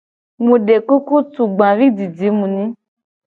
Mu de kuku tugbavijiji mu nyi.